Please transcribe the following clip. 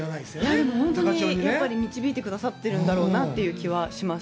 でも、本当に導いてくださってるんだろうなという気はします。